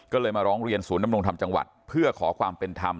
ก็เลยมาร้องเรียนศูนย์นำรงธรรมจังหวัดเพื่อขอความเป็นธรรม